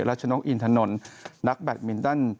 รัชนกอินทนนักแบดมิลตัน